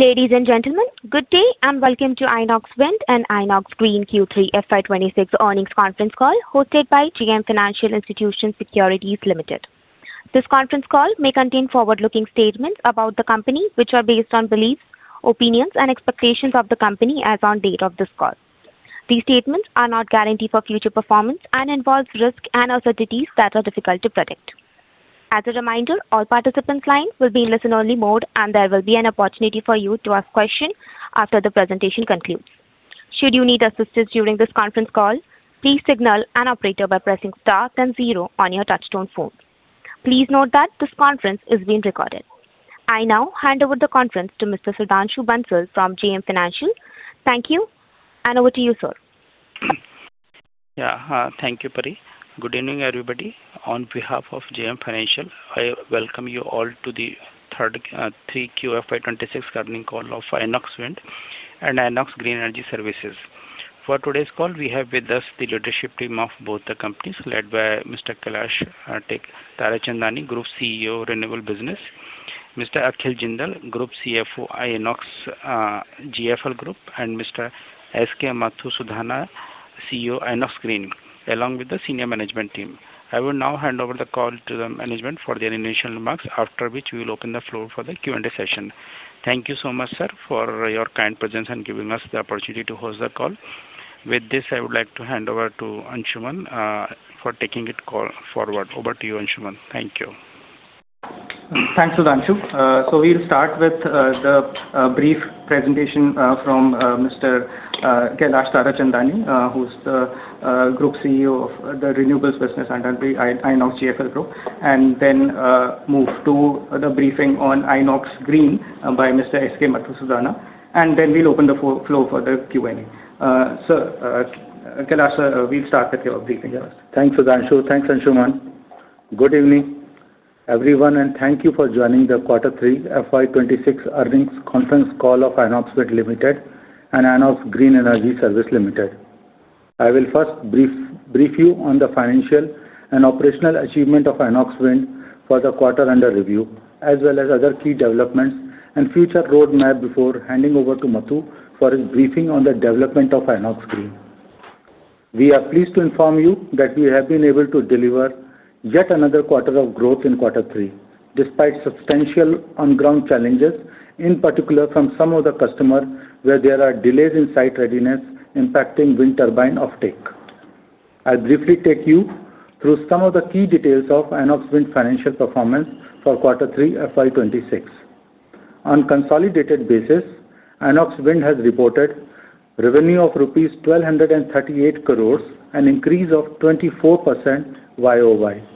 Ladies and gentlemen, good day, and welcome to Inox Wind and Inox Green Q3 FY 2026 earnings conference call, hosted by JM Financial Institutional Securities Limited. This conference call may contain forward-looking statements about the company, which are based on beliefs, opinions, and expectations of the company as on date of this call. These statements are not guaranteed for future performance and involves risk and uncertainties that are difficult to predict. As a reminder, all participants' lines will be in listen-only mode, and there will be an opportunity for you to ask questions after the presentation concludes. Should you need assistance during this conference call, please signal an operator by pressing star then zero on your touchtone phone. Please note that this conference is being recorded. I now hand over the conference to Mr. Sudhanshu Bansal from JM Financial. Thank you, and over to you, sir. Yeah. Thank you, Pari. Good evening, everybody. On behalf of JM Financial, I welcome you all to the Q3 of FY 2026 earnings call of Inox Wind and Inox Green Energy Services. For today's call, we have with us the leadership team of both the companies, led by Mr. Kailash Tarachandani, Group CEO, Renewable Business; Mr. Akhil Jindal, Group CFO, INOXGFL Group; and Mr. S.K. Mathusudhana, CEO, Inox Green, along with the senior management team. I will now hand over the call to the management for their initial remarks, after which we will open the floor for the Q&A session. Thank you so much, sir, for your kind presence and giving us the opportunity to host the call. With this, I would like to hand over to Anshuman for taking the call forward. Over to you, Anshuman. Thank you. Thanks, Sudhanshu. So we'll start with the brief presentation from Mr. Kailash Tarachandani, who's the Group CEO of the renewables business and under INOXGFL Group, and then move to the briefing on Inox Green by Mr. S.K. Mathusudhana, and then we'll open the floor for the Q&A. So, Kailash, we'll start with your briefing. Thanks, Sudhanshu. Thanks, Anshuman. Good evening, everyone, and thank you for joining the Quarter Three FY 2026 earnings conference call of Inox Wind Limited and Inox Green Energy Services Limited. I will first brief you on the financial and operational achievement of Inox Wind for the quarter under review, as well as other key developments and future roadmap before handing over to Mathu for his briefing on the development of Inox Green. We are pleased to inform you that we have been able to deliver yet another quarter of growth in Quarter Three, despite substantial on-ground challenges, in particular from some of the customers, where there are delays in site readiness impacting wind turbine offtake. I'll briefly take you through some of the key details of Inox Wind financial performance for Quarter Three, FY 2026. On consolidated basis, Inox Wind has reported revenue of rupees 1,238 crore, an increase of 24% YoY.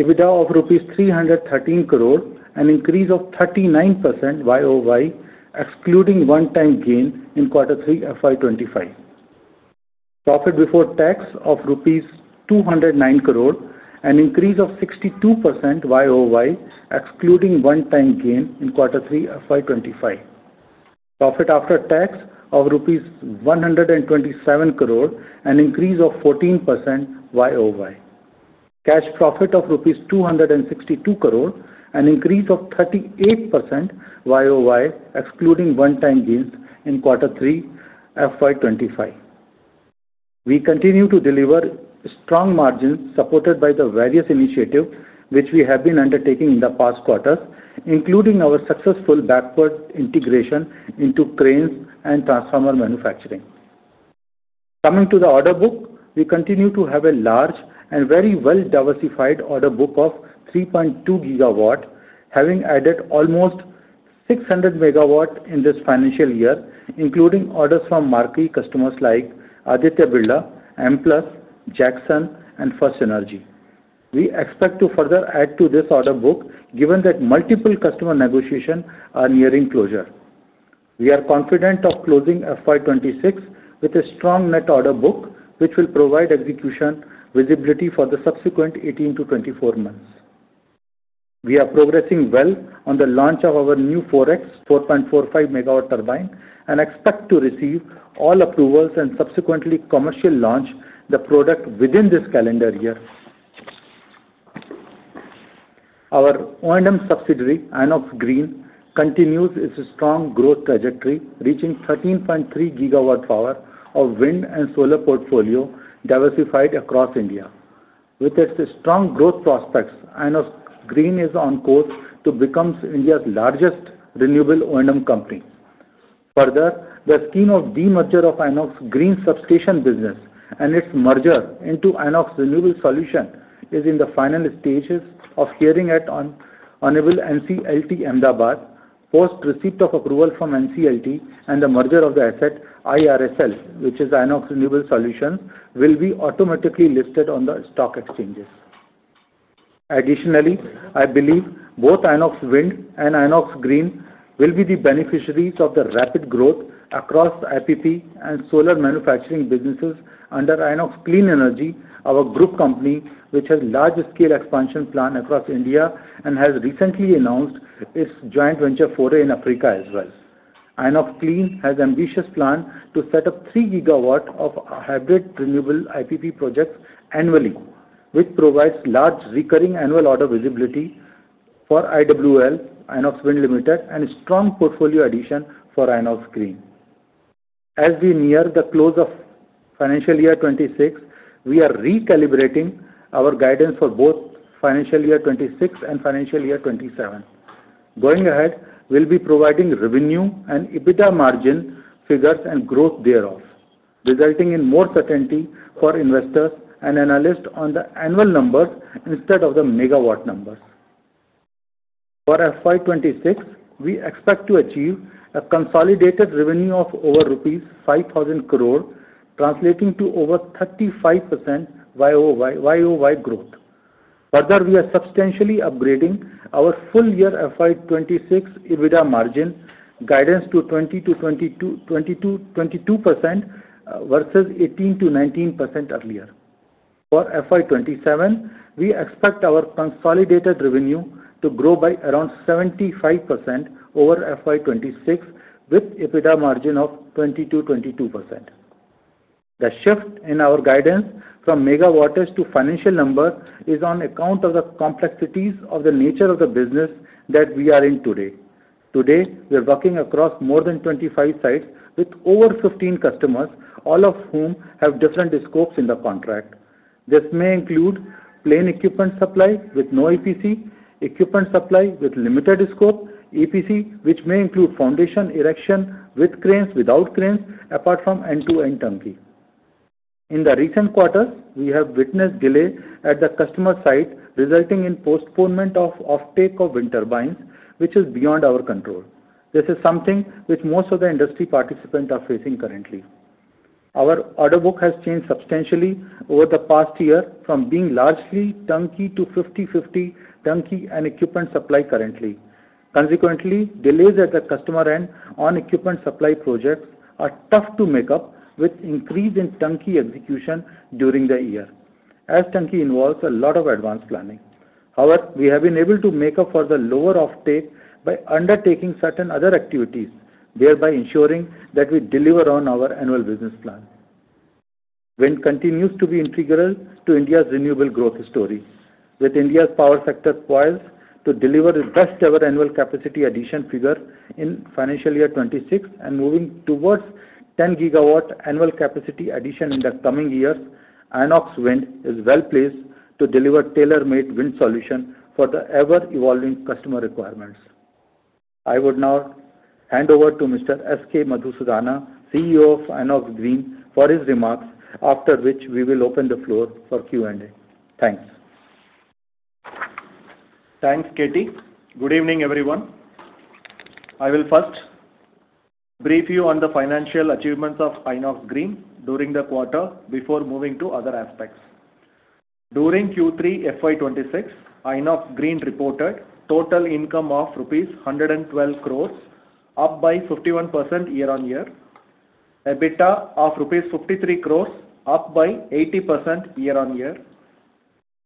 EBITDA of rupees 313 crore, an increase of 39% YoY, excluding one-time gain in Quarter Three, FY 2025. Profit before tax of rupees 209 crore, an increase of 62% YoY, excluding one-time gain in Quarter Three, FY 2025. Profit after tax of rupees 127 crore, an increase of 14% YoY. Cash profit of rupees 262 crore, an increase of 38% YoY, excluding one-time gains in Quarter Three, FY 2025. We continue to deliver strong margins, supported by the various initiatives which we have been undertaking in the past quarter, including our successful backward integration into cranes and transformer manufacturing. Coming to the order book, we continue to have a large and very well-diversified order book of 3.2 GW, having added almost 600 MW in this financial year, including orders from marquee customers like Aditya Birla, Amplus, Jakson, and First Energy. We expect to further add to this order book, given that multiple customer negotiations are nearing closure. We are confident of closing FY 2026 with a strong net order book, which will provide execution visibility for the subsequent 18-24 months. We are progressing well on the launch of our new 4.X, 4.45 MW turbine, and expect to receive all approvals and subsequently commercial launch the product within this calendar year. Our O&M subsidiary, Inox Green, continues its strong growth trajectory, reaching 13.3 GW portfolio of wind and solar power diversified across India. With its strong growth prospects, Inox Green is on course to become India's largest renewable O&M company. Further, the scheme of demerger of Inox Green substation business and its merger into Inox Renewable Solutions is in the final stages of hearing at the honorable NCLT, Ahmedabad. Post receipt of approval from NCLT and the merger of the asset, IRSL, which is Inox Renewable Solutions, will be automatically listed on the stock exchanges. Additionally, I believe both Inox Wind and Inox Green will be the beneficiaries of the rapid growth across IPP and solar manufacturing businesses under Inox Clean Energy, our group company, which has large scale expansion plan across India and has recently announced its joint venture foray in Africa as well. Inox Green has ambitious plan to set up 3 GW of hybrid renewable IPP projects annually, which provides large recurring annual order visibility for IWL, Inox Wind Limited, and a strong portfolio addition for Inox Green. As we near the close of financial year 2026, we are recalibrating our guidance for both financial year 2026 and financial year 2027. Going ahead, we'll be providing revenue and EBITDA margin figures and growth thereof, resulting in more certainty for investors and analysts on the annual numbers instead of the MW numbers. For FY 2026, we expect to achieve a consolidated revenue of over rupees 5,000 crore, translating to over 35% YoY, YoY growth. Further, we are substantially upgrading our full year FY 2026 EBITDA margin guidance to 20%-22%, versus 18%-19% earlier. For FY 2027, we expect our consolidated revenue to grow by around 75% over FY 2026, with EBITDA margin of 20%-22%. The shift in our guidance from MW to financial numbers is on account of the complexities of the nature af the business that we are in today. Today, we are working across more than 25 sites with over 15 customers, all of whom have different scopes in the contract. This may include plain equipment supply with no EPC, equipment supply with limited scope, EPC, which may include foundation erection with cranes, without cranes, apart from end-to-end turnkey. In the recent quarter, we have witnessed delay at the customer site, resulting in postponement of offtake of wind turbines, which is beyond our control. This is something which most of the industry participants are facing currently. Our order book has changed substantially over the past year, from being largely turnkey to 50/50 turnkey and equipment supply currently. Consequently, delays at the customer end on equipment supply projects are tough to make up, with increase in turnkey execution during the year, as turnkey involves a lot of advanced planning. However, we have been able to make up for the lower offtake by undertaking certain other activities, thereby ensuring that we deliver on our annual business plan. Wind continues to be integral to India's renewable growth story. With India's power sector poised to deliver its best ever annual capacity addition figure in financial year 2026, and moving towards 10 GW annual capacity addition in the coming years, Inox Wind is well-placed to deliver tailor-made wind solution for the ever-evolving customer requirements. I would now hand over to Mr. S.K. Mathusudhana, CEO of Inox Green, for his remarks, after which we will open the floor for Q&A. Thanks. Thanks, KT. Good evening, everyone. I will first brief you on the financial achievements of Inox Green during the quarter, before moving to other aspects. During Q3 FY 2026, Inox Green reported total income of rupees 112 crores, up by 51% year-on-year. EBITDA of rupees 53 crores, up by 80% year-on-year.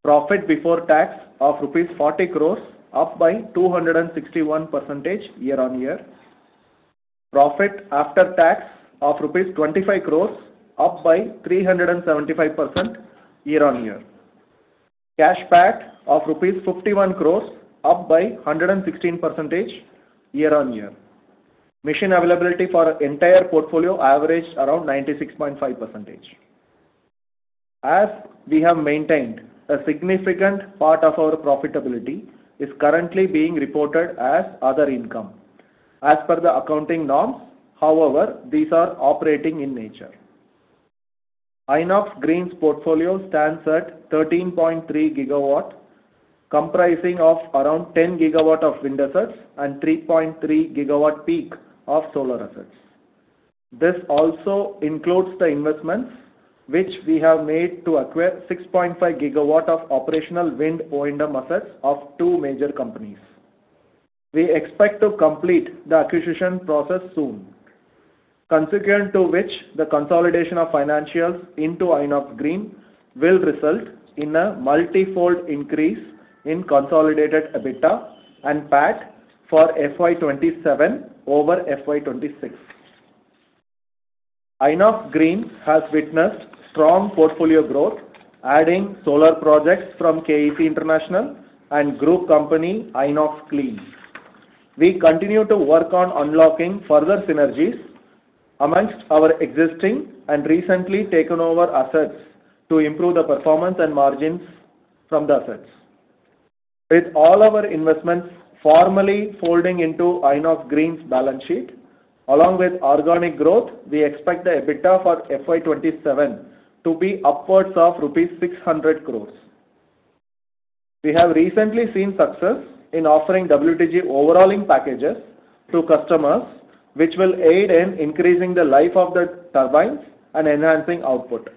Profit before tax of rupees 40 crores, up by 261% year-on-year. Profit after tax of rupees 25 crores, up by 375% year-on-year. Cash PAT of rupees 51 crores, up by 116% year-on-year. Machine availability for entire portfolio averaged around 96.5%. As we have maintained, a significant part of our profitability is currently being reported as other income, as per the accounting norms, however, these are operating in nature. Inox Green's portfolio stands at 13.3 GW, comprising of around 10 GW of wind assets and 3.3 GWp of solar assets. This also includes the investments which we have made to acquire 6.5 GW of operational wind O&M assets of two major companies. We expect to complete the acquisition process soon, consequent to which, the consolidation of financials into Inox Green will result in a multifold increase in consolidated EBITDA and PAT for FY 2027 over FY 2026. Inox Green has witnessed strong portfolio growth, adding solar projects from KEC International and group company, Inox Clean. We continue to work on unlocking further synergies among our existing and recently taken over assets, to improve the performance and margins from the assets. With all our investments formally folding into Inox Green's balance sheet, along with organic growth, we expect the EBITDA for FY 2027 to be upwards of rupees 600 crore. We have recently seen success in offering WTG overhauling packages to customers, which will aid in increasing the life of the turbines and enhancing output.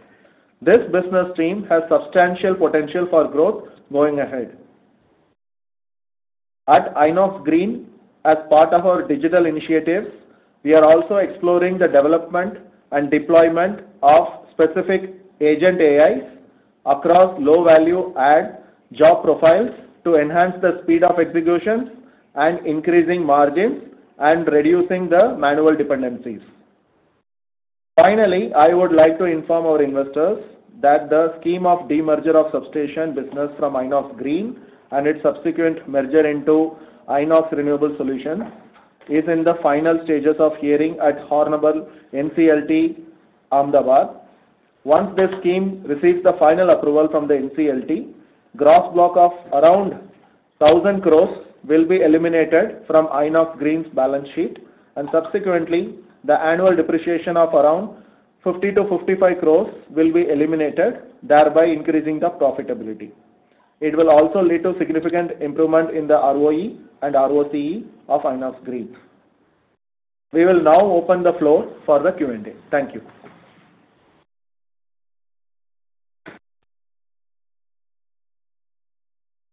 This business stream has substantial potential for growth going ahead. At Inox Green, as part of our digital initiatives, we are also exploring the development and deployment of specific agent AIs across low value add job profiles to enhance the speed of execution and increasing margins and reducing the manual dependencies. Finally, I would like to inform our investors that the scheme of demerger of substation business from Inox Green and its subsequent merger into Inox Renewable Solutions is in the final stages of hearing at Hon'ble NCLT, Ahmedabad. Once this scheme receives the final approval from the NCLT, gross block of around 1,000 crore will be eliminated from Inox Green's balance sheet, and subsequently, the annual depreciation of around 50 crore-55 crore will be eliminated, thereby increasing the profitability. It will also lead to significant improvement in the ROE and ROCE of Inox Green. We will now open the floor for the Q&A. Thank you.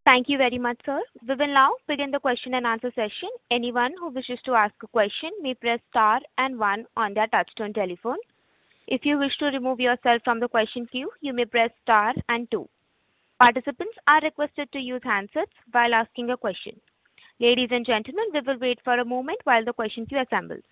Thank you very much, sir. We will now begin the question and answer session. Anyone who wishes to ask a question may press star and one on their touchtone telephone. If you wish to remove yourself from the question queue, you may press star and two. Participants are requested to use handsets while asking a question. Ladies and gentlemen, we will wait for a moment while the question queue assembles.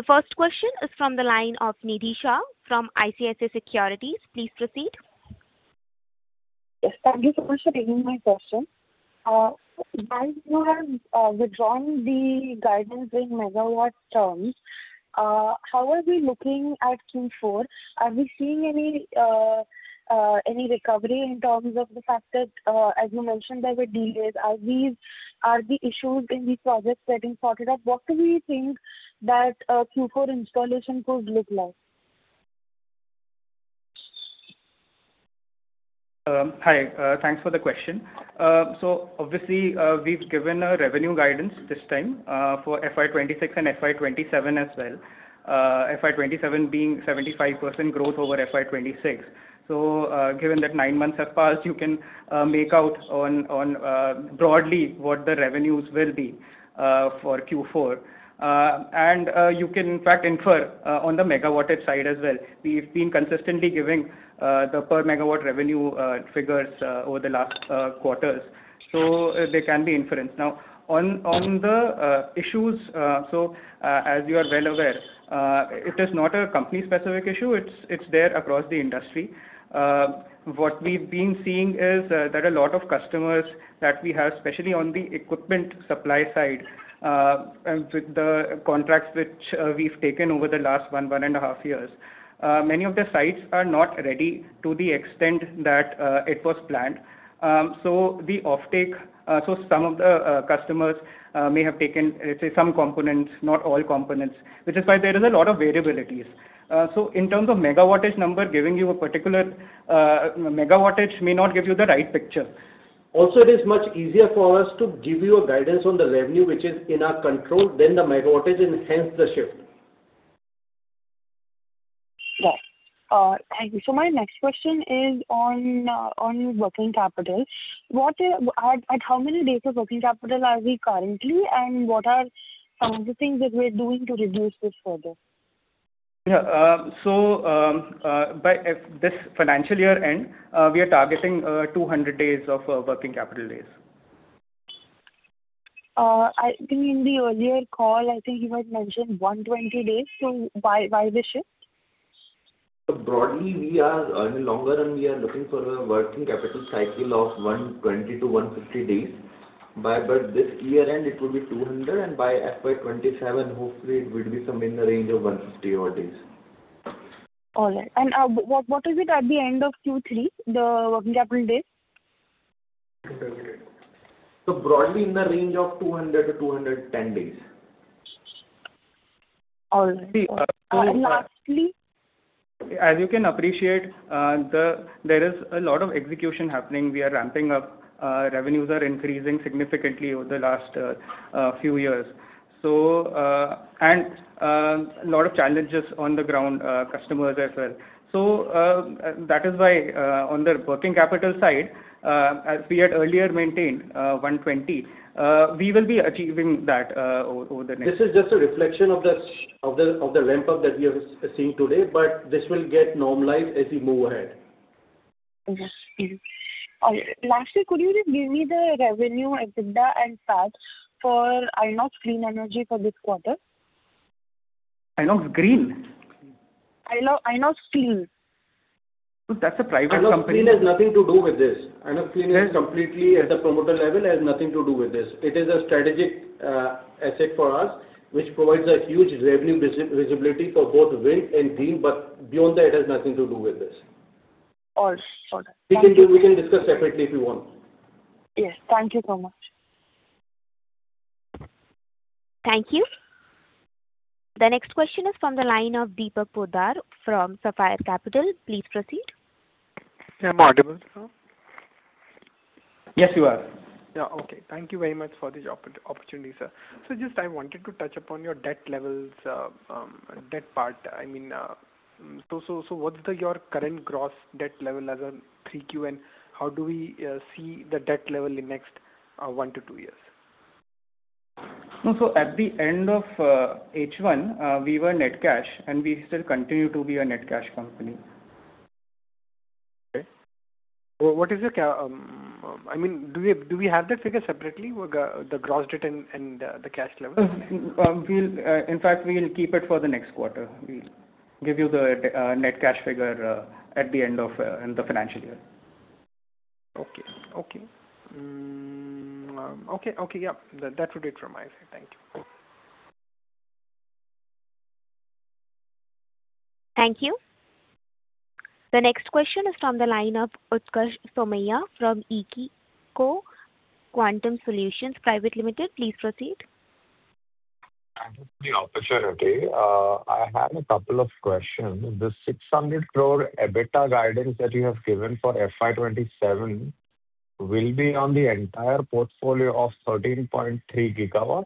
The first question is from the line of Nidhi Shah from ICICI Securities. Please proceed. Yes, thank you so much for taking my question. While you have withdrawn the guidance in MW terms, how are we looking at Q4? Are we seeing any recovery in terms of the fact that, as you mentioned, there were delays? Are the issues in the projects getting sorted out? What do we think that Q4 installation could look like? Hi, thanks for the question. So obviously, we've given a revenue guidance this time for FY 2026 and FY 2027 as well. FY 2027 being 75% growth over FY 2026. So, given that nine months have passed, you can make out, broadly what the revenues will be for Q4. And, you can in fact infer on the MWage side as well. We've been consistently giving the per MW revenue figures over the last quarters, so they can be inferred. Now, on the issues, so, as you are well aware, it is not a company specific issue, it's there across the industry. What we've been seeing is, there are a lot of customers that we have, especially on the equipment supply side, and with the contracts which we've taken over the last one and a half years. Many of the sites are not ready to the extent that it was planned. So the offtake, so some of the customers may have taken, let's say, some components, not all components, which is why there is a lot of variabilities. So in terms of MWage number, giving you a particular MWage may not give you the right picture. Also, it is much easier for us to give you a guidance on the revenue, which is in our control, than the MWage and hence the shift. Right. Thank you. So my next question is on working capital. At how many days of working capital are we currently, and what are the things that we're doing to reduce this further? Yeah, by this financial year end, we are targeting 200 days of working capital days. I think in the earlier call, I think you had mentioned 120 days, so why, why the shift? Broadly, we are in longer run, we are looking for a working capital cycle of 120-150 days. By this year end, it will be 200, and by FY 2027, hopefully it will be some in the range of 150 odd days. All right. And what is it at the end of Q3, the working capital days? Broadly in the range of 200-210 days. All right. See, uh- And lastly? As you can appreciate, there is a lot of execution happening. We are ramping up, revenues are increasing significantly over the last few years. So, and a lot of challenges on the ground, customers as well. So, that is why, on the working capital side, as we had earlier maintained, 120, we will be achieving that, over the next- This is just a reflection of the ramp-up that we have seen today, but this will get normalized as we move ahead. Okay. Lastly, could you just give me the revenue, EBITDA and PAT for Inox Clean Energy for this quarter? Inox Green? Inox, Inox Clean. That's a private company. Inox Clean has nothing to do with this. Inox Clean is completely at the promoter level, has nothing to do with this. It is a strategic asset for us, which provides a huge revenue visibility for both Wind and Green, but beyond that, it has nothing to do with this. All right. Got it. We can do, we can discuss separately if you want. Yes. Thank you so much. Thank you. The next question is from the line of Deepak Poddar from Sapphire Capital. Please proceed. Am I audible now?... Yes, you are. Yeah, okay. Thank you very much for this opportunity, sir. So just I wanted to touch upon your debt levels, debt part. I mean, so what's the, your current gross debt level as on 3Q, and how do we see the debt level in next, 1-2 years? No, so at the end of H1, we were net cash, and we still continue to be a net cash company. Okay. Well, I mean, do we have that figure separately, with the gross debt and the cash level? We'll, in fact, we'll keep it for the next quarter. We'll give you the net cash figure at the end of in the financial year. Okay, yeah. That would be it from my side. Thank you. Thank you. The next question is from the line of Utkarsh Somaiya from Eiko Quantum Solutions Private Limited. Please proceed. Thank you for the opportunity. I have a couple of questions. The 600 crore EBITDA guidance that you have given for FY 2027 will be on the entire portfolio of 13.3 GW?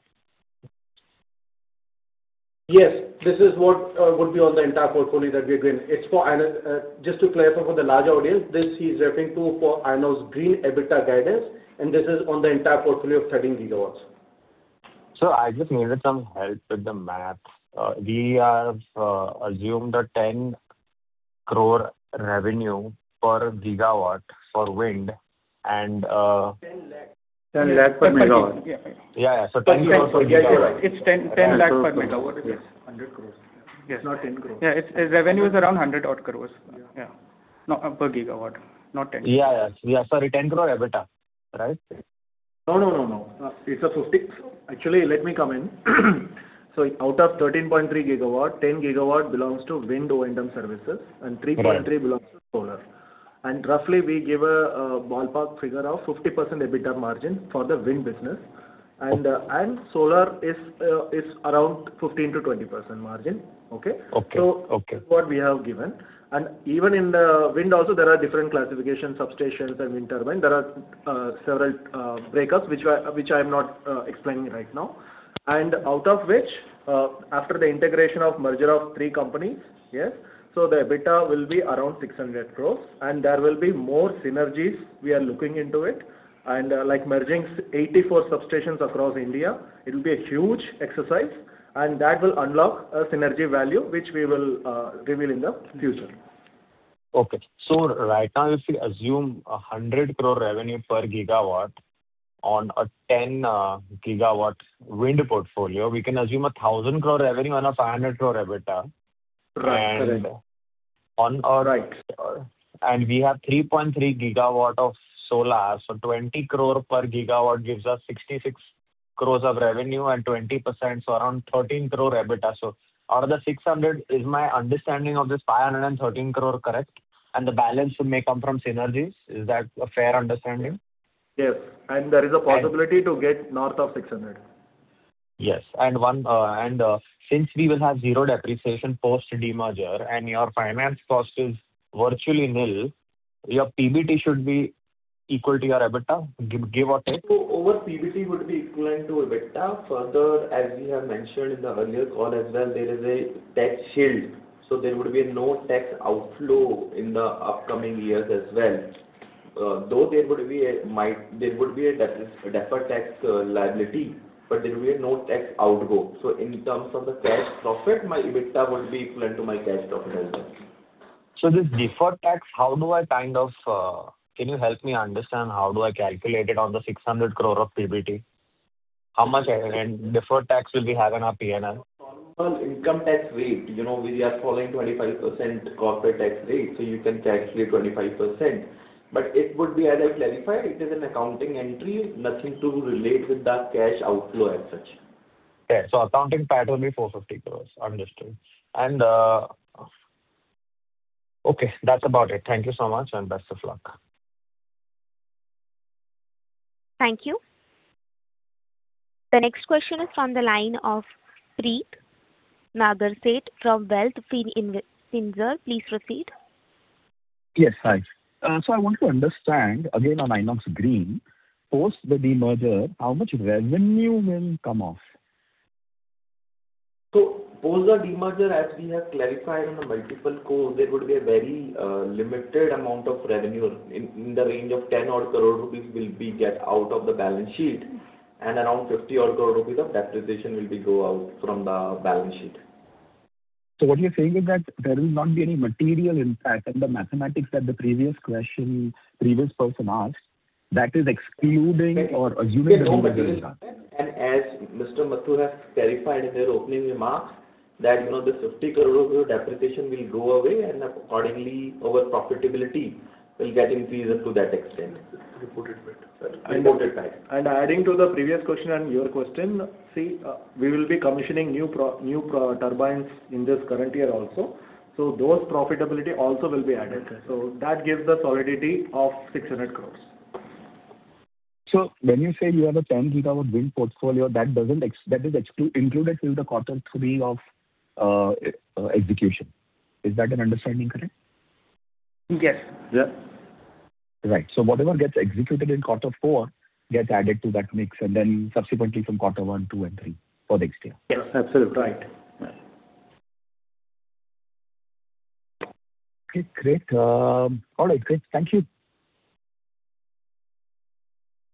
Yes, this is what would be on the entire portfolio that we are doing. It's for Inox, just to clarify for the larger audience, this he's referring to for Inox Green EBITDA guidance, and this is on the entire portfolio of 13 GW. I just needed some help with the math. We have assumed 10 crore revenue per GW for wind and, 10 lakh. 10 lakh per MW. Yeah, yeah, so 10 crore- It's 10.10 lakh per MW. Yes, 100 crore. Yes. Not 10 crore. Yeah, its revenue is around 100 odd crores. Yeah. Yeah. No, per GW, not 10. Yeah, yeah. Yeah, sorry, 10 crore EBITDA, right? No, no, no, no. Actually, let me come in. So out of 13.3 GW, 10 GW belongs to wind O&M services, and 3.3 belongs to solar. And roughly, we give a ballpark figure of 50% EBITDA margin for the wind business. And solar is around 15%-20% margin. Okay? Okay. Okay. So what we have given. Even in the wind also, there are different classifications, substations and interwind. There are several breakouts, which I, which I'm not explaining right now. And out of which, after the integration of merger of three companies, yes, so the EBITDA will be around 600 crores, and there will be more synergies we are looking into it. And like merging 84 substations across India, it will be a huge exercise, and that will unlock a synergy value, which we will reveal in the future. Okay. So right now, if we assume 100 crore revenue per GW on a 10 GW wind portfolio, we can assume 1,000 crore revenue and 500 crore EBITDA. Right. And on our- Right. We have 3.3 GW of solar, so 20 crore per GW gives us 66 crores of revenue and 20%, so around 13 crore EBITDA. So out of the 600, is my understanding of this 513 crore correct? And the balance may come from synergies. Is that a fair understanding? Yes, and there is a possibility to get north of 600. Yes, and since we will have zero depreciation post-demerger and your finance cost is virtually nil, your PBT should be equal to your EBITDA? Give or take. So our PBT would be equivalent to EBITDA. Further, as we have mentioned in the earlier call as well, there is a tax shield, so there would be no tax outflow in the upcoming years as well. Though there would be a deferred tax liability, but there will be no tax outgo. So in terms of the cash profit, my EBITDA would be equivalent to my cash profit as well. So, this deferred tax, how do I kind of? Can you help me understand how do I calculate it on the 600 crore of PBT? How much and deferred tax will we have on our PNL? Normal income tax rate. You know, we are following 25% corporate tax rate, so you can calculate 25%. But it would be, as I clarified, it is an accounting entry, nothing to relate with the cash outflow as such. Yeah, so accounting part will be 450 crores. Understood. And, okay, that's about it. Thank you so much, and best of luck. Thank you. The next question is from the line of Preet Nagersheth from WealthFin FinServ. Please proceed. Yes, hi. So I want to understand, again, on Inox Green, post the demerger, how much revenue will come off? Post the demerger, as we have clarified on the multiple calls, there would be a very limited amount of revenue in the range of 10-odd crore rupees that will be get out of the balance sheet, and around 50-odd crore rupees of depreciation will be go out from the balance sheet. So what you're saying is that there will not be any material impact on the mathematics that the previous question, previous person asked, that is excluding or assuming the- As Mr. Mathur has clarified in their opening remarks, that, you know, the 50 crore rupees depreciation will go away, and accordingly, our profitability will get increased to that extent. Reported bit. Reported back. Adding to the previous question and your question, see, we will be commissioning new prototype turbines in this current year also. So those profitability also will be added. Okay. That gives the solidity of 600 crore. So when you say you have a 10 GW wind portfolio, that is included till quarter three of execution?... Is that an understanding, correct? Yes. Yeah. Right. So whatever gets executed in quarter four gets added to that mix, and then subsequently from quarter one, two, and three for next year. Yes, absolutely right. Okay, great. All right, great. Thank you.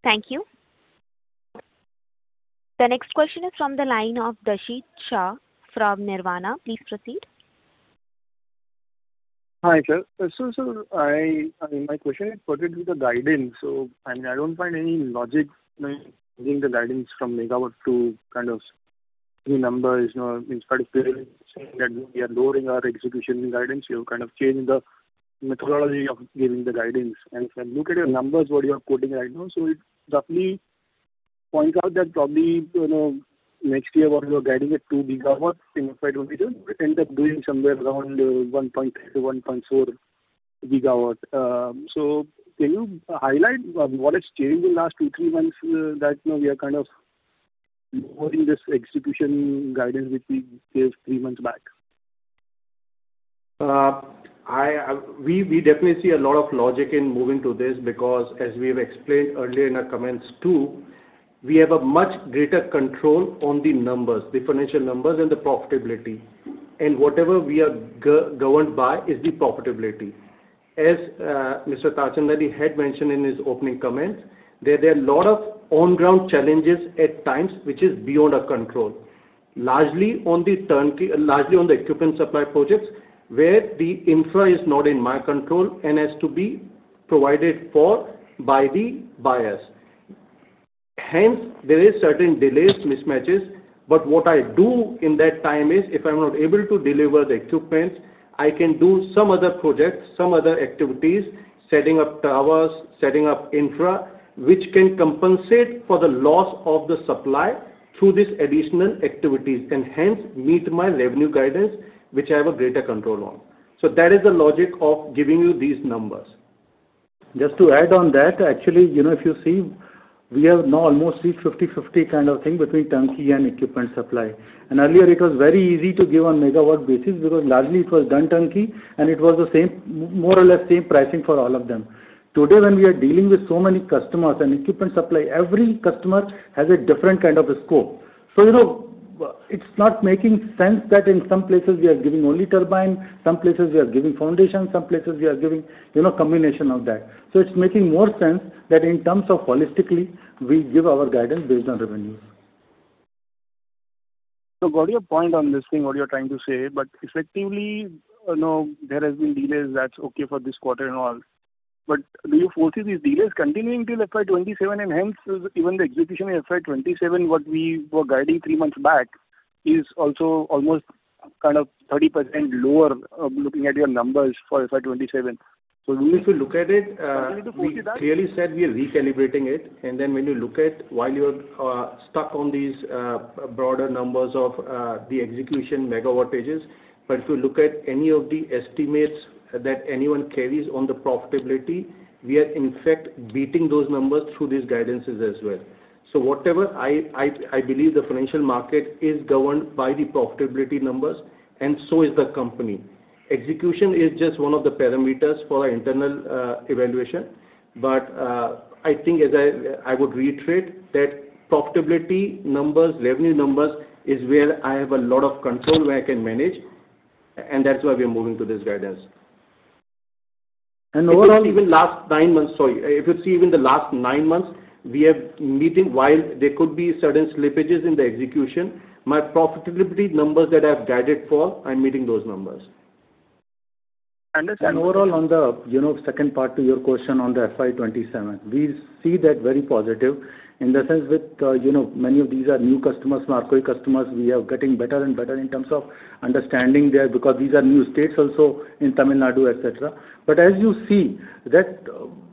Thank you. The next question is from the line of Darshit Shah from Nirvana. Please proceed. Hi, sir. So, I mean, my question is related to the guidance, so I mean, I don't find any logic in giving the guidance from MW to kind of three numbers. You know, instead of saying that we are lowering our execution guidance, you have kind of changed the methodology of giving the guidance. And if I look at your numbers, what you are quoting right now, so it roughly points out that probably, you know, next year what you are guiding at 2 GW in FY 2027, we end up doing somewhere around 1.3-1.4 GW. So can you highlight what has changed in the last 2-3 months, that now we are kind of lowering this execution guidance, which we gave three months back? We definitely see a lot of logic in moving to this, because as we have explained earlier in our comments too, we have a much greater control on the numbers, the financial numbers and the profitability. And whatever we are governed by is the profitability. As Mr. Tarachandani had mentioned in his opening comments, there are a lot of on-ground challenges at times which is beyond our control. Largely on the equipment supply projects, where the infra is not in my control and has to be provided for by the buyers. Hence, there is certain delays, mismatches, but what I do in that time is, if I'm not able to deliver the equipment, I can do some other projects, some other activities, setting up towers, setting up infra, which can compensate for the loss of the supply through these additional activities, and hence meet my revenue guidance, which I have a greater control on. So that is the logic of giving you these numbers. Just to add on that, actually, you know, if you see, we have now mostly 50/50 kind of thing between turnkey and equipment supply. And earlier it was very easy to give on MW basis, because largely it was done turnkey, and it was the same, more or less same pricing for all of them. Today, when we are dealing with so many customers and equipment supply, every customer has a different kind of a scope. So you know, it's not making sense that in some places we are giving only turbine, some places we are giving foundation, some places we are giving, you know, combination of that. So it's making more sense that in terms of holistically, we give our guidance based on revenues. So got your point on this thing, what you're trying to say, but effectively, you know, there has been delays, that's okay for this quarter and all. But do you foresee these delays continuing till FY 2027, and hence, even the execution in FY 2027, what we were guiding three months back, is also almost kind of 30% lower, looking at your numbers for FY 2027? So if you look at it, Do you foresee that? We clearly said we are recalibrating it, and then when you look at while you are stuck on these broader numbers of the execution megawattages, but if you look at any of the estimates that anyone carries on the profitability, we are in fact beating those numbers through these guidances as well. So whatever I believe the financial market is governed by the profitability numbers, and so is the company. Execution is just one of the parameters for our internal evaluation. But I think as I would reiterate that profitability numbers, revenue numbers, is where I have a lot of control, where I can manage, and that's why we are moving to this guidance. And overall- If you see even the last nine months, sorry, if you see even the last 9 months, we are meeting, while there could be certain slippages in the execution, my profitability numbers that I have guided for, I'm meeting those numbers. Understand- Overall, on the, you know, second part to your question on the FY 2027, we see that very positive. In the sense that, you know, many of these are new customers, marquee customers. We are getting better and better in terms of understanding there, because these are new states also in Tamil Nadu, etc. But as you see, that,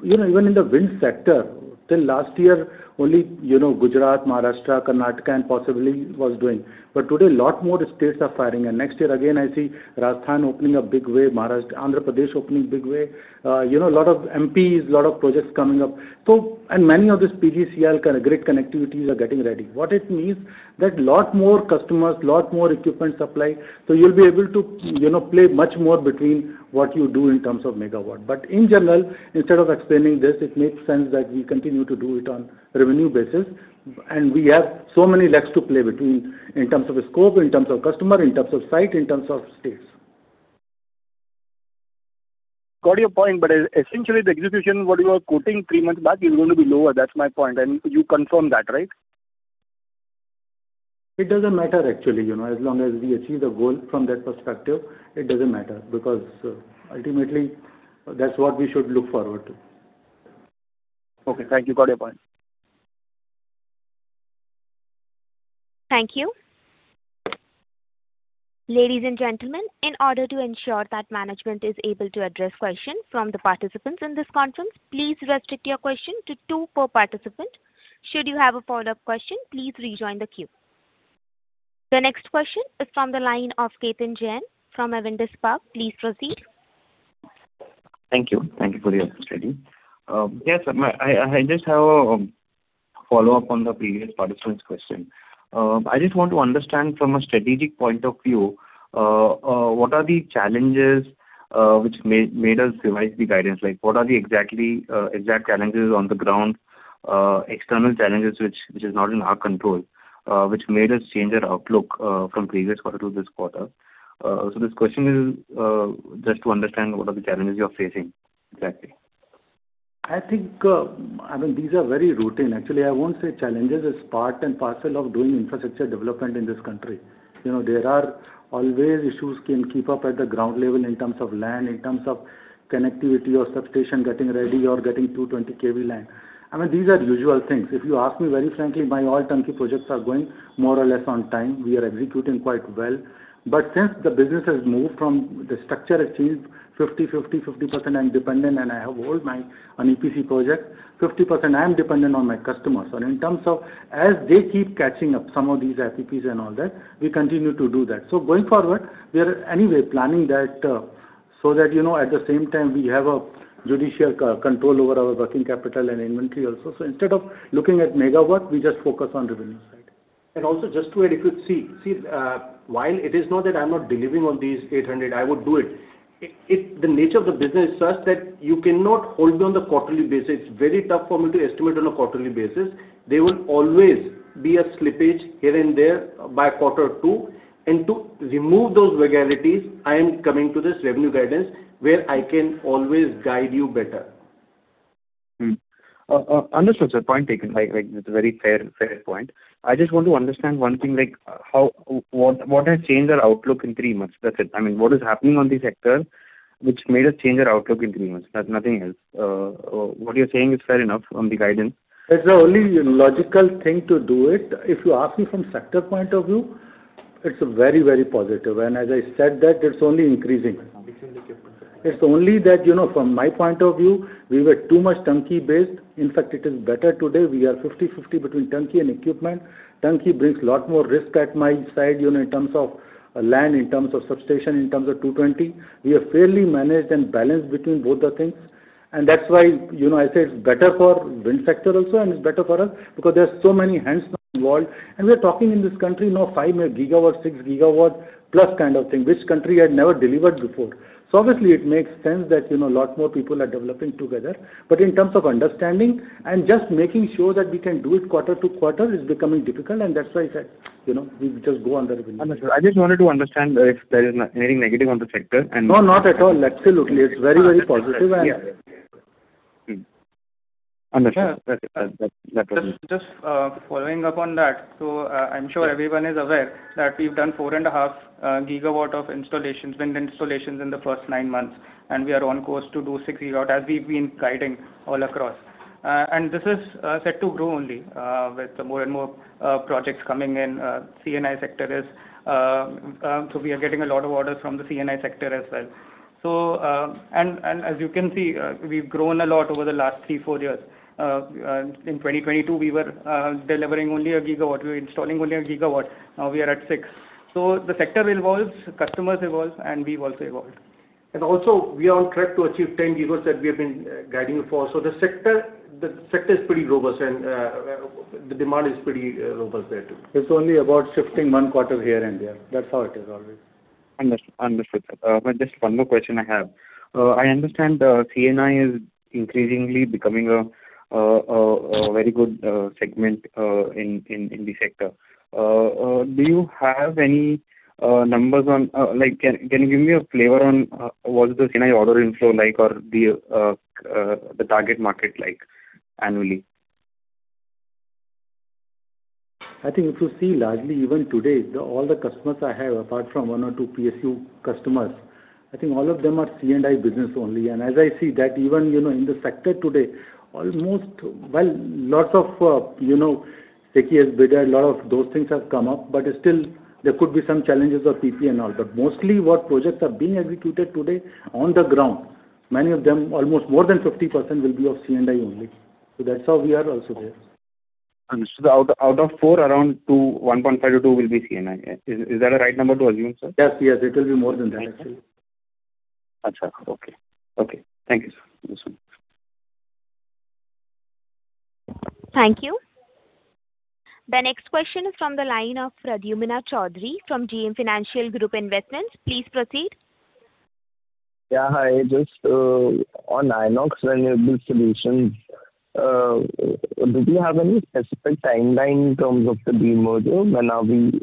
you know, even in the wind sector, till last year, only, you know, Gujarat, Maharashtra, Karnataka, and possibly was doing. But today lot more states are firing, and next year again, I see Rajasthan opening a big way, Maharashtra, Andhra Pradesh opening big way. You know, a lot of MPs, a lot of projects coming up. So, and many of these PGCIL kind of grid connectivities are getting ready. What it means, that lot more customers, lot more equipment supply, so you'll be able to, you know, play much more between what you do in terms of MW. But in general, instead of explaining this, it makes sense that we continue to do it on revenue basis, and we have so many legs to play between in terms of scope, in terms of customer, in terms of site, in terms of states. Got your point, but essentially the execution, what you are quoting three months back, is going to be lower. That's my point. And you confirm that, right? It doesn't matter actually, you know, as long as we achieve the goal from that perspective, it doesn't matter, because ultimately, that's what we should look forward to. Okay, thank you. Got your point. Thank you. Ladies and gentlemen, in order to ensure that management is able to address questions from the participants in this conference, please restrict your question to two per participant. Should you have a follow-up question, please rejoin the queue. The next question is from the line of Ketan Jain from Avendus Spark. Please proceed.... Thank you. Thank you for your study. Yes, I just have a follow-up on the previous participant's question. I just want to understand from a strategic point of view, what are the challenges which made us revise the guidance? Like, what are the exact challenges on the ground, external challenges, which is not in our control, which made us change our outlook, from previous quarter to this quarter? So this question is just to understand what are the challenges you're facing exactly. I think, I mean, these are very routine. Actually, I won't say challenges, it's part and parcel of doing infrastructure development in this country. You know, there are always issues can keep up at the ground level in terms of land, in terms of connectivity or substation getting ready or getting 220 kV line. I mean, these are usual things. If you ask me, very frankly, my all turnkey projects are going more or less on time. We are executing quite well. But since the business has moved from the structure has changed, 50/50, 50% I'm dependent, and I have all my on EPC projects, 50% I am dependent on my customers. So in terms of as they keep catching up some of these IPPs and all that, we continue to do that. Going forward, we are anyway planning that, so that, you know, at the same time, we have a judicious control over our working capital and inventory also. So instead of looking at MW, we just focus on revenue side. And also just to add a quick while it is not that I'm not delivering on these 800, I would do it. It, it, the nature of the business is such that you cannot hold on the quarterly basis. It's very tough for me to estimate on a quarterly basis. There will always be a slippage here and there by a quarter or two, and to remove those regularities, I am coming to this revenue guidance, where I can always guide you better. Understood, sir. Point taken. Like, it's a very fair point. I just want to understand one thing, like, how, what has changed our outlook in three months? That's it. I mean, what is happening on the sector, which made us change our outlook in three months? There's nothing else. What you're saying is fair enough on the guidance. It's the only logical thing to do it. If you ask me from sector point of view, it's very, very positive, and as I said that, it's only increasing. Increasing, yes. It's only that, you know, from my point of view, we were too much turnkey based. In fact, it is better today. We are 50/50 between turnkey and equipment. Turnkey brings a lot more risk at my side, you know, in terms of land, in terms of substation, in terms of 220. We have fairly managed and balanced between both the things, and that's why, you know, I say it's better for wind sector also, and it's better for us, because there are so many hands involved. And we're talking in this country, you know, 5 GW, 6 GW plus kind of thing, which country had never delivered before. So obviously, it makes sense that, you know, a lot more people are developing together. But in terms of understanding and just making sure that we can do it quarter to quarter is becoming difficult, and that's why I said, you know, we just go on the revenue. I understand. I just wanted to understand if there is anything negative on the sector and- No, not at all. Absolutely. It's very, very positive and- Yeah. Understood. That's, that's... Just following up on that. So, I'm sure everyone is aware that we've done 4.5 GW of installations, wind installations in the first nine months, and we are on course to do 6 GW, as we've been guiding all across. And this is set to grow only with more and more projects coming in, C&I sector, so we are getting a lot of orders from the C&I sector as well. So, as you can see, we've grown a lot over the last three, four years. In 2022, we were delivering only 1 GW. We were installing only 1 GW. Now we are at six. So the sector evolves, customers evolve, and we also evolve. Also, we are on track to achieve 10 GW that we have been guiding for. So the sector, the sector is pretty robust, and the demand is pretty robust there, too. It's only about shifting one quarter here and there. That's how it is always. Understood. Understood, sir. But just one more question I have. I understand the C&I is increasingly becoming a very good segment in the sector. Do you have any numbers on, like, can you give me a flavor on what's the C&I order inflow like or the target market like annually? I think if you see largely even today, all the customers I have, apart from one or two PSU customers, I think all of them are C&I business only. As I see that even, you know, in the sector today, almost, well, lots of, you know, SECI has bid, a lot of those things have come up, but still there could be some challenges of PP and all. Mostly what projects are being executed today on the ground, many of them, almost more than 50%, will be of C&I only. That's how we are also there. Understood. Out of four, around two, 1.5-2 will be C&I. Is that a right number to assume, sir? Yes, yes, it will be more than that, actually. Got you. Okay. Okay. Thank you, sir. Thank you. The next question is from the line of Pradyumna Choudhary from JM Financial Group Investments. Please proceed. Yeah, hi. Just on Inox Renewable Solutions, do you have any specific timeline in terms of the demerger? When are we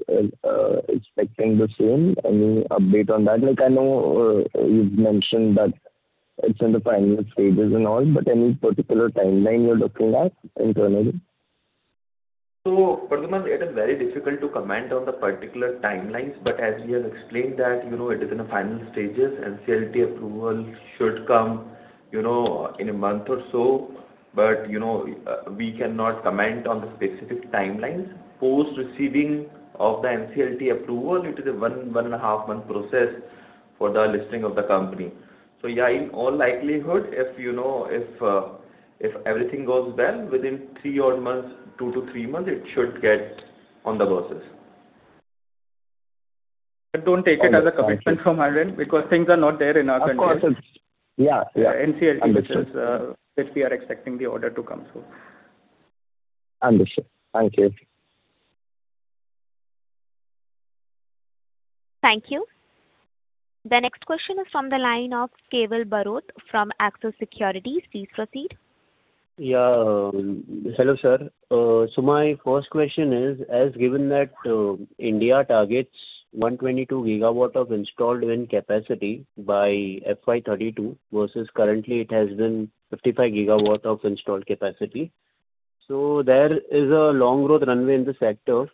expecting the same? Any update on that? Like, I know you've mentioned that it's in the final stages and all, but any particular timeline you're looking at internally? So Pradyumna, it is very difficult to comment on the particular timelines, but as we have explained that, you know, it is in the final stages, NCLT approval should come, you know, in a month or so. But, you know, we cannot comment on the specific timelines. Post receiving of the NCLT approval, it is a 1, 1.5 month process for the listing of the company. So yeah, in all likelihood, if you know, if, if everything goes well, within 3-odd months, 2-3 months, it should get on the buses.... Don't take it as a commitment from our end, because things are not there in our country. Of course, yeah, yeah. NCLT, which is that we are expecting the order to come from. Understood. Thank you. Thank you. The next question is from the line of Kewal Barot from Axis Securities. Please proceed. Yeah. Hello, sir. So my first question is, as given that, India targets 122 GW of installed wind capacity by FY 2022, versus currently it has been 55 GW of installed capacity. So there is a long growth runway in the sector,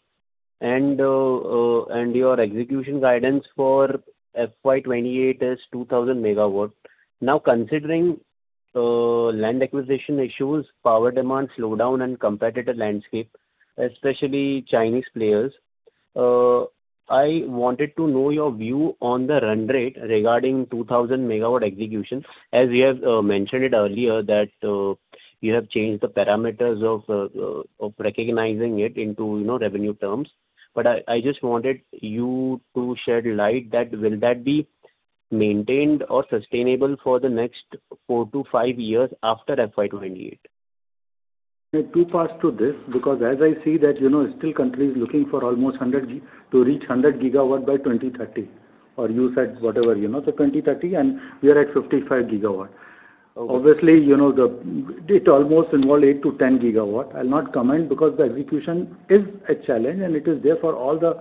and your execution guidance for FY 2028 is 2,000 MW. Now, considering land acquisition issues, power demand slowdown, and competitive landscape, especially Chinese players, I wanted to know your view on the run rate regarding 2,000 MW execution. As you have mentioned it earlier, that you have changed the parameters of recognizing it into, you know, revenue terms. But I just wanted you to shed light that will that be maintained or sustainable for the next four-five years after FY 2028? We're too fast to this, because as I see that, you know, still countries looking for almost 100 GW to reach 100 GW by 2030, or you said whatever, you know, so 2030, and we are at 55 GW. Obviously, you know, it almost involve 8-10 GW. I'll not comment because the execution is a challenge, and it is there for all the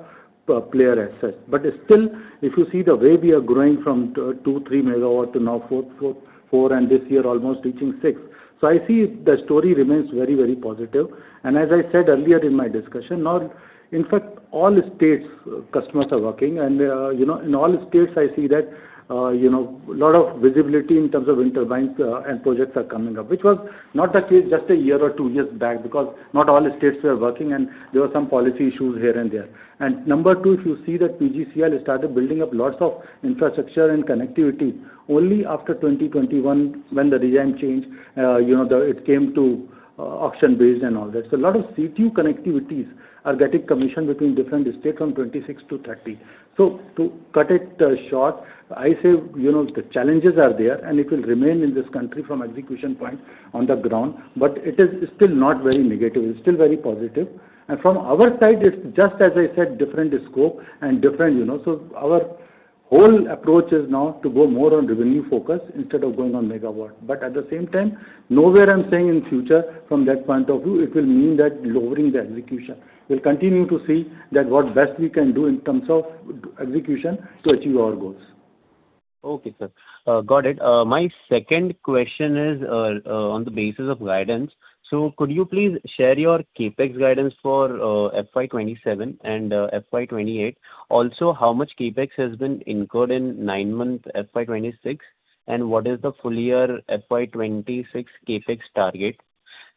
player as such. But still, if you see the way we are growing from 2-3 GW to now 4.4 GW, and this year almost reaching six. So I see the story remains very, very positive. And as I said earlier in my discussion, now, in fact, all states customers are working and, you know, in all states, I see that, you know, a lot of visibility in terms of wind turbines, and projects are coming up. Which was not the case just a year or two years back, because not all states were working and there were some policy issues here and there. And number two, if you see that PGCIL started building up lots of infrastructure and connectivity only after 2021, when the regime changed, you know, it came to auction-based and all that. So a lot of CT connectivities are getting commissioned between different states from 2026-2030. So to cut it short, I say, you know, the challenges are there, and it will remain in this country from execution point on the ground, but it is still not very negative. It's still very positive. And from our side, it's just as I said, different scope and different, you know. So our whole approach is now to go more on revenue focus instead of going on MW. At the same time, nowhere I'm saying in future from that point of view, it will mean that lowering the execution. We'll continue to see that what best we can do in terms of execution to achieve our goals. Okay, sir. Got it. My second question is on the basis of guidance. So could you please share your CapEx guidance for FY 2027 and FY 2028? Also, how much CapEx has been incurred in nine-month FY 2026, and what is the full year FY 2026 CapEx target?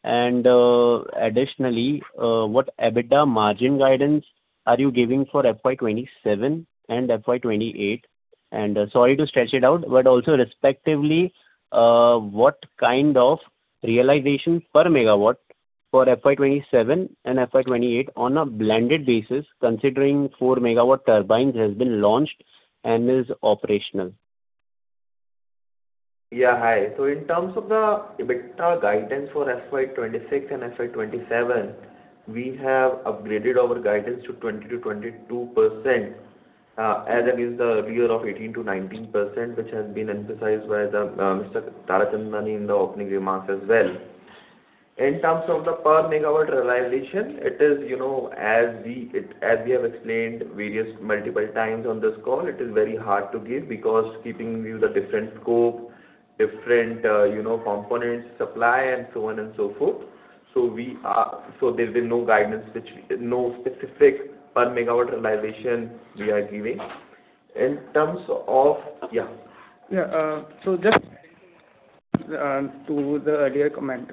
And additionally, what EBITDA margin guidance are you giving for FY 2027 and FY 2028? And sorry to stretch it out, but also respectively, what kind of realization per MW for FY 2027 and FY 2028 on a blended basis, considering 4 MW turbines has been launched and is operational? Yeah, hi. So in terms of the EBITDA guidance for FY 2026 and FY 2027, we have upgraded our guidance to 20%-22%, as against the earlier of 18%-19%, which has been emphasized by the Mr. Tarachandani in the opening remarks as well. In terms of the per MW realization, it is, you know, as we, as we have explained various, multiple times on this call, it is very hard to give because keeping view the different scope, different, you know, components, supply and so on and so forth. So there's been no guidance, which, no specific per MW realization we are giving. In terms of... Yeah. Yeah, so just to the earlier comment.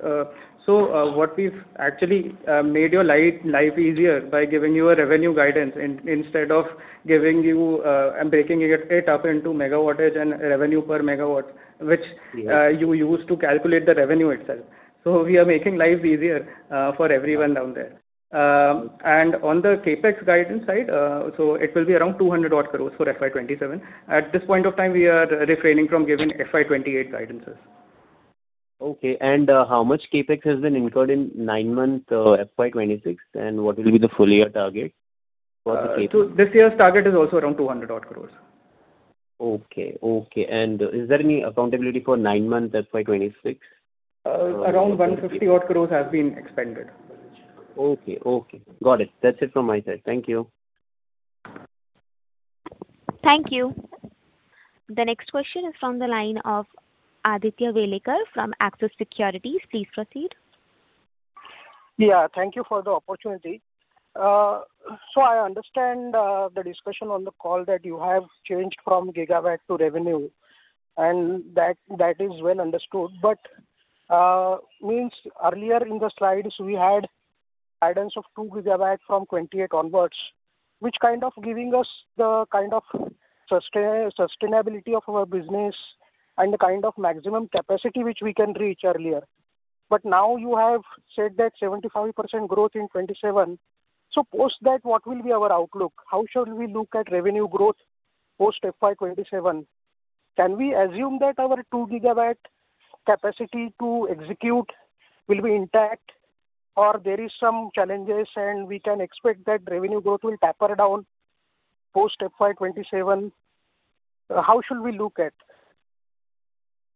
What we've actually made your life easier by giving you a revenue guidance instead of giving you and breaking it up into MWage and revenue per MW, which- Yeah. You use to calculate the revenue itself. So we are making life easier for everyone down there. And on the CapEx guidance side, so it will be around 200-odd crores for FY 2027. At this point of time, we are refraining from giving FY 2028 guidances. Okay. And, how much CapEx has been incurred in nine-month FY 2026, and what will be the full year target for the CapEx? This year's target is also around 200-odd crore. Okay, okay. Is there any accountability for 9-month FY 2026? Around 150 odd crore have been expended. Okay, okay. Got it. That's it from my side. Thank you. Thank you. The next question is from the line of Aditya Welekar from Axis Securities. Please proceed. Yeah, thank you for the opportunity. So I understand the discussion on the call that you have changed from GW to revenue, and that, that is well understood. But, means earlier in the slides, we had guidance of 2 GW from 2028 onwards, which kind of giving us the kind of-... sustain, sustainability of our business and the kind of maximum capacity which we can reach earlier. But now you have said that 75% growth in 27. So post that, what will be our outlook? How should we look at revenue growth post FY 2027? Can we assume that our 2 GW capacity to execute will be intact, or there is some challenges, and we can expect that revenue growth will taper down post FY 2027? How should we look at?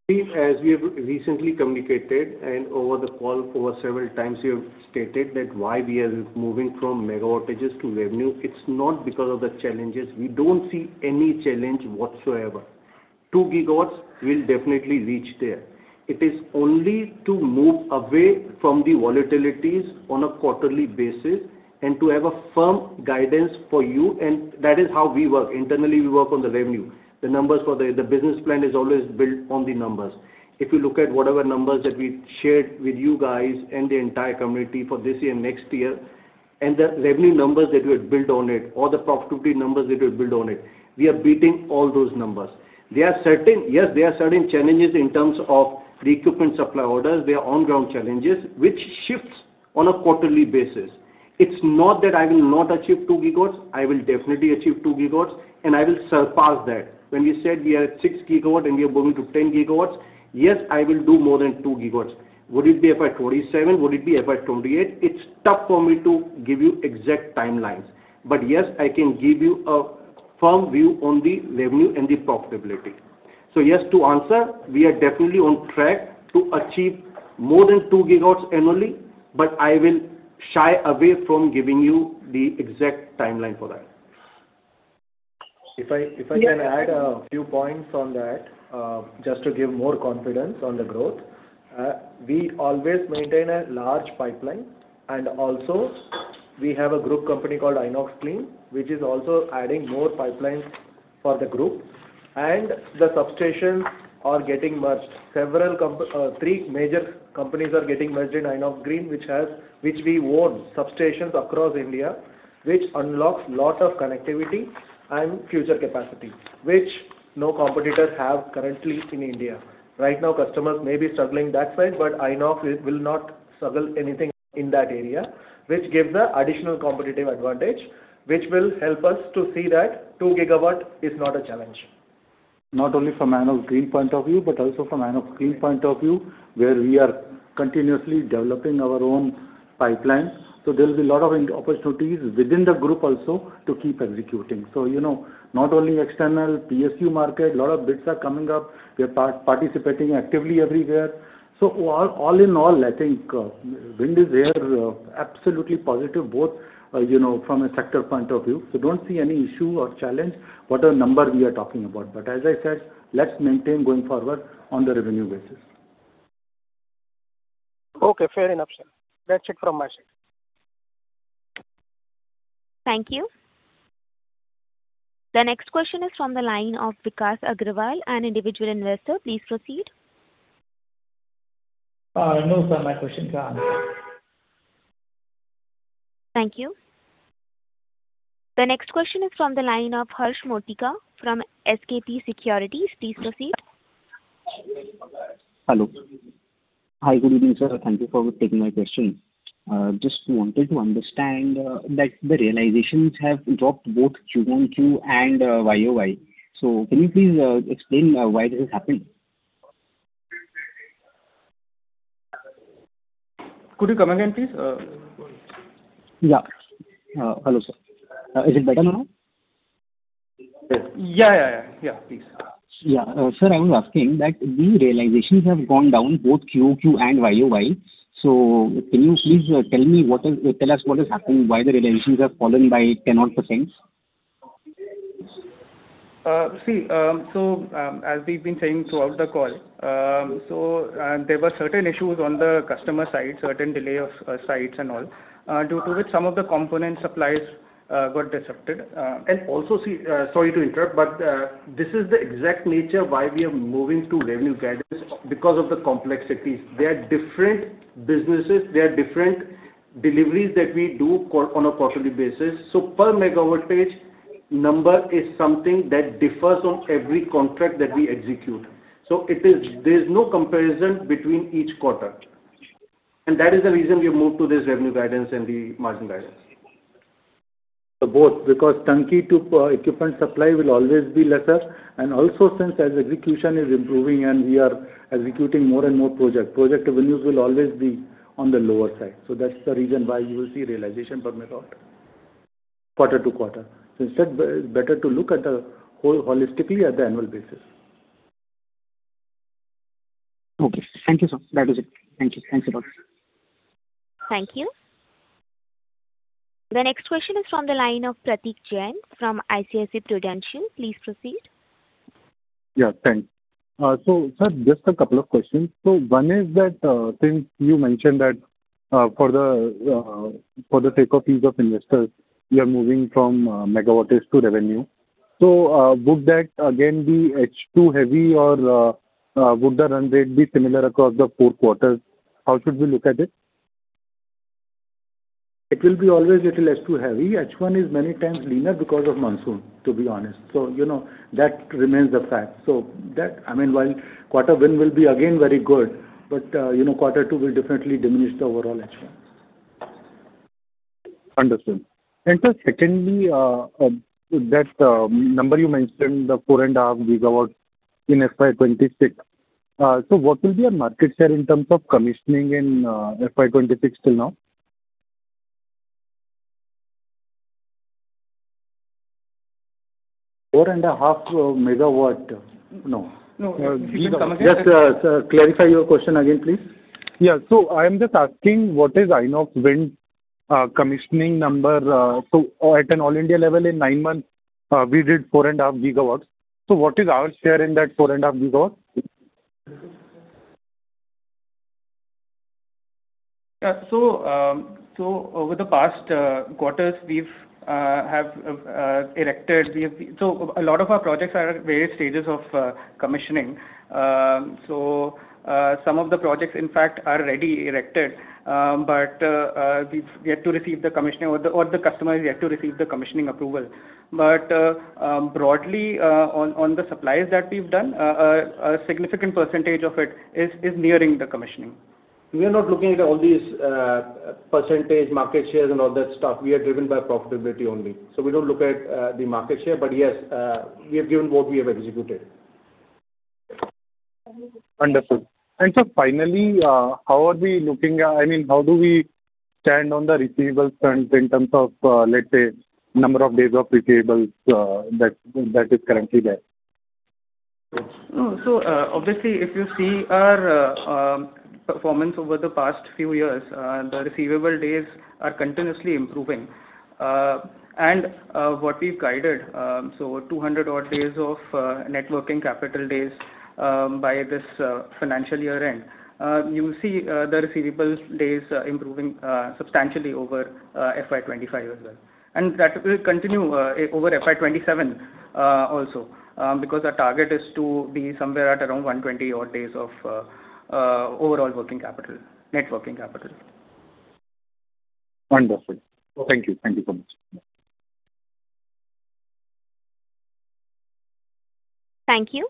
Steve, as we have recently communicated, and over the call, over several times, we have stated that why we are moving from MW to revenue. It's not because of the challenges. We don't see any challenge whatsoever. 2 GW, we'll definitely reach there. It is only to move away from the volatilities on a quarterly basis and to have a firm guidance for you, and that is how we work. Internally, we work on the revenue. The numbers for the business plan is always built on the numbers. If you look at whatever numbers that we've shared with you guys and the entire community for this year, next year, and the revenue numbers that we have built on it, or the profitability numbers that we've built on it, we are beating all those numbers. There are certain... Yes, there are certain challenges in terms of the equipment supply orders. They are on-ground challenges, which shifts on a quarterly basis. It's not that I will not achieve 2 GWs. I will definitely achieve 2 GWs, and I will surpass that. When we said we are at 6 GW and we are moving to 10 GWs, yes, I will do more than 2 GWs. Would it be FY 2027? Would it be FY 2028? It's tough for me to give you exact timelines, but yes, I can give you a firm view on the revenue and the profitability. So yes, to answer, we are definitely on track to achieve more than 2 GWs annually, but I will shy away from giving you the exact timeline for that. If I, if I can add a few points on that, just to give more confidence on the growth. We always maintain a large pipeline, and also, we have a group company called Inox Green, which is also adding more pipelines for the group, and the substations are getting merged. Three major companies are getting merged in Inox Green, which we own substations across India, which unlocks lot of connectivity and future capacity, which no competitors have currently in India. Right now, customers may be struggling that side, but Inox will not struggle anything in that area, which gives an additional competitive advantage, which will help us to see that 2 GW is not a challenge. Not only from Inox Green point of view, but also from Inox Green point of view, where we are continuously developing our own pipelines. So there will be a lot of opportunities within the group also to keep executing. So, you know, not only external PSU market, a lot of bids are coming up. We are participating actively everywhere. So, all in all, I think, wind is there, absolutely positive, both, you know, from a sector point of view. So don't see any issue or challenge, whatever number we are talking about. But as I said, let's maintain going forward on the revenue basis. Okay, fair enough, sir. That's it from my side. Thank you. The next question is from the line of Vikas Agrawal, an individual investor. Please proceed. No, sir, my question is done. Thank you. The next question is from the line of Harsh Motika from SKP Securities. Please proceed. Hello. Hi, good evening, sir. Thank you for taking my question. Just wanted to understand that the realizations have dropped both QoQ and YoY. So can you please explain why this is happening? Could you come again, please? Yeah. Hello, sir. Is it better now? Yeah, yeah, yeah. Yeah, please. Yeah. Sir, I was asking that the realizations have gone down both QoQ and YoY. So can you please tell us what is happening, why the realizations have fallen by 10 odd %? As we've been saying throughout the call, there were certain issues on the customer side, certain delay of sites and all, due to which some of the component supplies got disrupted. And also, see, sorry to interrupt, but, this is the exact nature why we are moving to revenue guidance, because of the complexities. They are different businesses, they are different deliveries that we do on a quarterly basis. So per megawattage number is something that differs on every contract that we execute. So it is. There's no comparison between each quarter. And that is the reason we moved to this revenue guidance and the margin guidance. So both, because turnkey to, equipment supply will always be lesser, and also since as execution is improving and we are executing more and more projects, project revenues will always be on the lower side. So that's the reason why you will see realization per MW, quarter-to-quarter. So instead, better to look at the whole holistically at the annual basis. Okay. Thank you, sir. That is it. Thank you. Thanks a lot. Thank you. The next question is from the line of Pratik Jain from ICICI Prudential. Please proceed. Yeah, thanks. So, sir, just a couple of questions. So one is that, since you mentioned that, for the sake of ease of investors, we are moving from MW to revenue. So, would that again be H2 heavy or would the run rate be similar across the four quarters? How should we look at it? ...It will be always little H2 heavy. H1 is many times leaner because of monsoon, to be honest. So, you know, that remains the fact. So that, I mean, while quarter one will be again very good, but, you know, quarter two will definitely diminish the overall H1. Understood. And sir, secondly, the number you mentioned, the 4.5 GW in FY 2026. So what will be our market share in terms of commissioning in FY 2026 till now? 4.5 MW? No. No. Just, clarify your question again, please. Yeah. So I am just asking, what is Inox Wind commissioning number, so at an all-India level in nine months, we did 4.5 GW. So what is our share in that 4.5 GW? Yeah. So, over the past quarters, we have erected-- So a lot of our projects are at various stages of commissioning. So, some of the projects, in fact, are already erected, but we've yet to receive the commissioning or the, or the customer is yet to receive the commissioning approval. But, broadly, on the supplies that we've done, a significant percentage of it is nearing the commissioning. We are not looking at all these, percentage, market shares and all that stuff. We are driven by profitability only. So we don't look at, the market share. But yes, we have given what we have executed. Understood. Sir, finally, how are we looking at, I mean, how do we stand on the receivables trends in terms of, let's say, number of days of receivables that is currently there? No. So, obviously, if you see our performance over the past few years, the receivable days are continuously improving. And what we've guided, so 200-odd days of net working capital days, by this financial year end. You will see the receivables days improving substantially over FY 2025 as well. And that will continue over FY 2027 also, because our target is to be somewhere at around 120-odd days of overall working capital, net working capital. Wonderful. Thank you. Thank you so much. Thank you.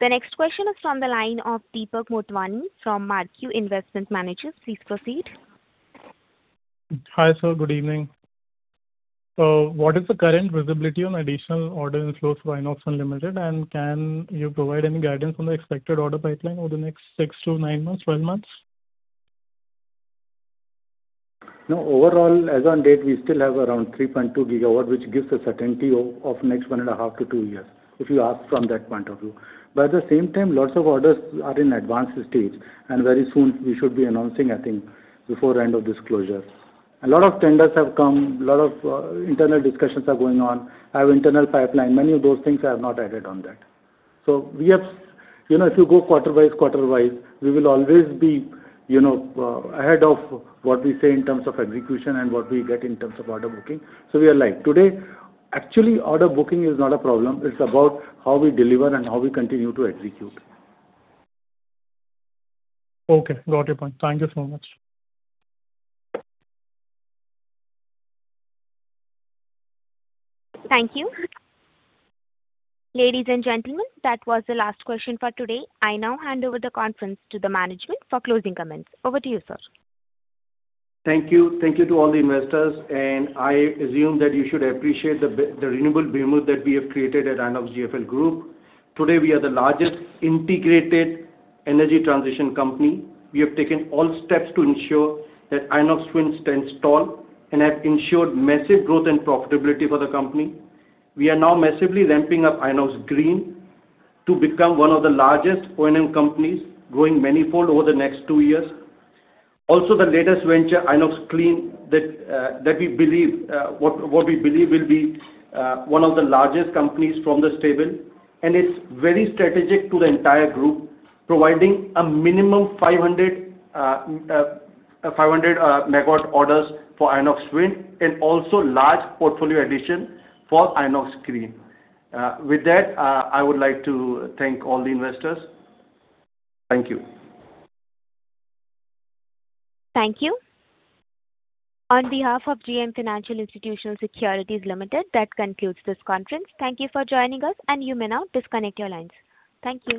The next question is from the line of Deepak Motwani from Marquee Investment Managers. Please proceed. Hi, sir, good evening. So what is the current visibility on additional order inflows for Inox Wind, and can you provide any guidance on the expected order pipeline over the next 6-9 months, 12 months? No, overall, as on date, we still have around 3.2 GW, which gives a certainty of next 1.5-2 years, if you ask from that point of view. But at the same time, lots of orders are in advanced stage, and very soon we should be announcing, I think, before the end of this closure. A lot of tenders have come, a lot of internal discussions are going on, our internal pipeline, many of those things are not added on that. So we have, you know, if you go quarter-wise, quarter-wise, we will always be, you know, ahead of what we say in terms of execution and what we get in terms of order booking. So we are live. Today, actually, order booking is not a problem. It's about how we deliver and how we continue to execute. Okay, got your point. Thank you so much. Thank you. Ladies and gentlemen, that was the last question for today. I now hand over the conference to the management for closing comments. Over to you, sir. Thank you. Thank you to all the investors, and I assume that you should appreciate the renewable behemoth that we have created at INOXGFL Group. Today, we are the largest integrated energy transition company. We have taken all steps to ensure that Inox Wind stands tall and have ensured massive growth and profitability for the company. We are now massively ramping up Inox Green to become one of the largest O&M companies, growing manifold over the next two years. Also, the latest venture, Inox Clean, that we believe will be one of the largest companies from the stable. And it's very strategic to the entire group, providing a minimum 500 MW orders for Inox Wind and also large portfolio addition for Inox Green. With that, I would like to thank all the investors. Thank you. Thank you. On behalf of JM Financial Institutional Securities Limited, that concludes this conference. Thank you for joining us, and you may now disconnect your lines. Thank you.